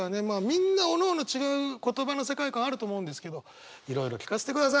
みんなおのおの違う言葉の世界観あると思うんですけどいろいろ聞かせてください。